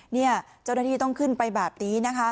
นี่เจ้าน่าที่ต้องขึ้นไปแบบนี้